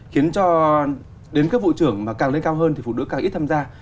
khiến cho đến cấp vụ trưởng mà càng lên cao hơn thì phụ nữ càng ít tham gia